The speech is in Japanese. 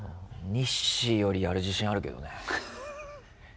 ニッシーよりやる自信あるけどね。